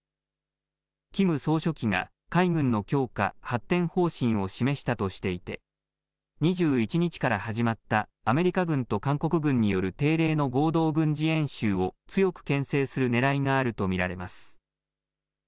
キム総書記が海軍の強化・発展方針を示したとしていて２１日から始まったアメリカ軍と韓国軍による定例の合同軍事演習を強くけん制するねらいがあると見られます。